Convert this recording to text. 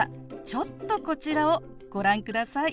ちょっとこちらをご覧ください。